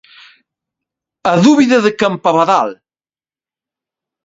A dúbida de Campabadal.